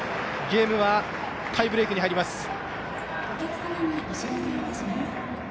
ゲームはタイブレークに入ります。